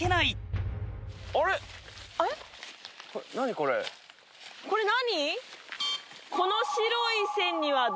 これ何？